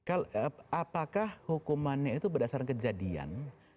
apakah hukumannya itu berdasarkan kejadian